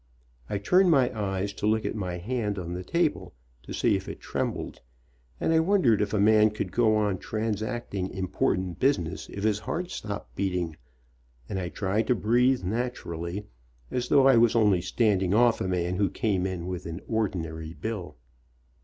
I turned my eyes to look at my hand on the table, to see if it trembled, and I wondered if a man could go on trans acting important business if his heart stopped beating, and I tried to breathe naturally, as though I was only standing off a man who came in with an ordinary bill.